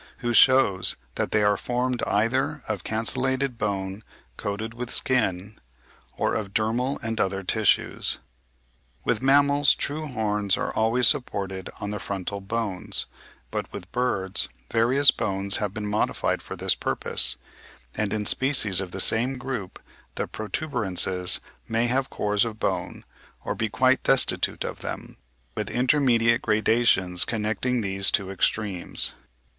who shews that they are formed either of cancellated bone coated with skin, or of dermal and other tissues. With mammals true horns are always supported on the frontal bones, but with birds various bones have been modified for this purpose; and in species of the same group the protuberances may have cores of bone, or be quite destitute of them, with intermediate gradations connecting these two extremes.